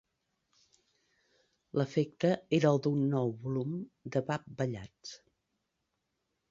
L'efecte era el d'un nou volum de Bab Ballads.